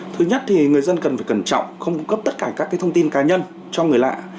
thứ nhất thì người dân cần phải cẩn trọng không cung cấp tất cả các thông tin cá nhân cho người lạ